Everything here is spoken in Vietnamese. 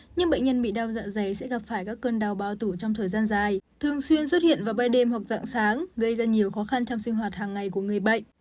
nhưng bệnh nhân bị đau dạ dày sẽ gặp phải các cơn đau bao tử trong thời gian dài thường xuyên xuất hiện vào ban đêm hoặc dạng sáng gây ra nhiều khó khăn trong sinh hoạt hàng ngày của người bệnh